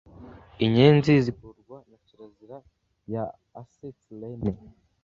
Inyenzi zikururwa na kirazira ya acetylene.